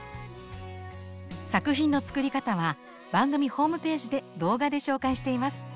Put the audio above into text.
作品の作り方は番組ホームページで動画で紹介しています。